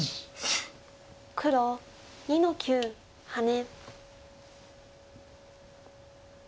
黒２の九ハネ。